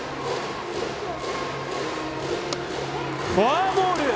フォアボール！